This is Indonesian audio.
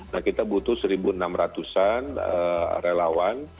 nah kita butuh satu enam ratus an relawan